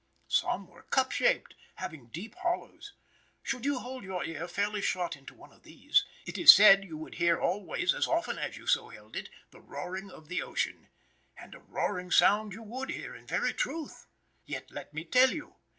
Some were cup shaped, having deep hollows. Should you hold your ear fairly shut into one of these, it is said you would hear always as often as you so held it, the roaring of the ocean. And a roaring sound you would hear, in very truth. Yet, let me tell you!